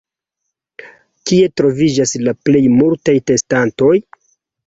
Kie troviĝas la plej multaj testantoj?